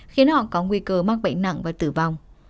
khiến họ có nguy cơ mắc bệnh nặng và tử vong